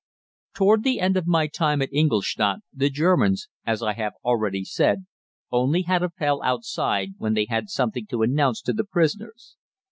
Towards the end of my time at Ingolstadt, the Germans, as I have already said, only had Appell outside when they had something to announce to the prisoners.